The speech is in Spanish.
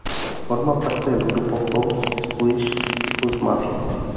Forma parte del grupo house Swedish House Mafia.